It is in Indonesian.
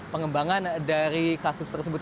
kelembangan dari kasus tersebut